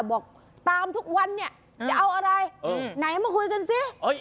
บอกตามทุกวันเนี่ยจะเอาอะไรไหนมาคุยกันสิ